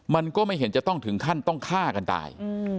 มันก็ไม่เห็นจะต้องถึงขั้นต้องฆ่ากันตาย